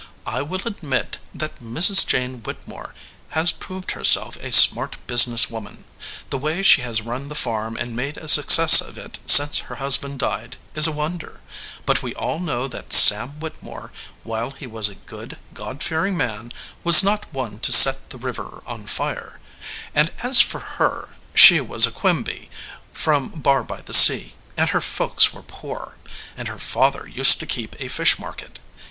I will admit that Mrs. Jane Whittemore has proved herself a smart business woman. The way she has run the farm and made a success of it since her husband died is a wonder; but we all know that Sam Whittemore, while he was a good, God fearing man, was not one to set the river on fire ; and as for her, she was a Quimby, from Barr by the Sea, and her folks were poor, and her father used to keep a fish market.